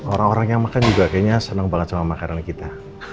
orang orang yang makan juga kayaknya senang banget sama makanan kita